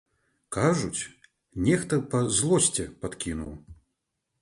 Кажуць, нехта па злосці падкінуў.